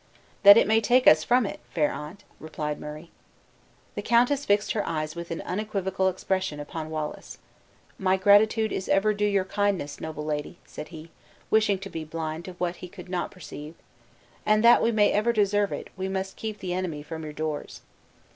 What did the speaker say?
"That it may take us from it, fair aunt," replied Murray. The countess fixed her eyes with an unequivocal expression upon Wallace. "My gratitude is ever due to your kindness, noble lady," said he, still wishing to be blind to what he could not perceive, "and that we may ever deserve it, we must keep the enemy from your doors."